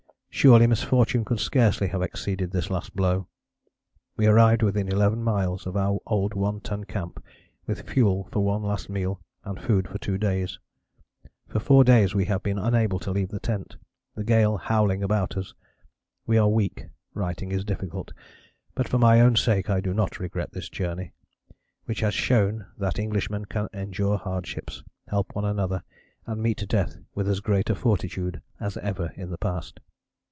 Surely misfortune could scarcely have exceeded this last blow. We arrived within 11 miles of our old One Ton Camp with fuel for one last meal and food for two days. For four days we have been unable to leave the tent the gale howling about us. We are weak, writing is difficult, but for my own sake I do not regret this journey, which has shown that Englishmen can endure hardships, help one another, and meet death with as great a fortitude as ever in the past.